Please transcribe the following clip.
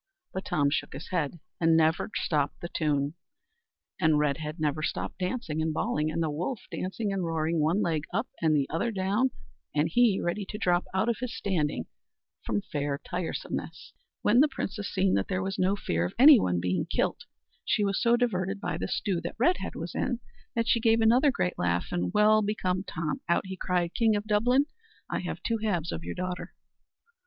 But Tom shook his head, and never stopped the tune, and Redhead never stopped dancing and bawling, and the wolf dancing and roaring one leg up and the other down, and he ready to drop out of his standing from fair tiresomeness. When the princess seen that there was no fear of any one being kilt, she was so divarted by the stew that Redhead was in, that she gave another great laugh; and well become Tom, out he cried, "King of Dublin, I have two halves of your daughter."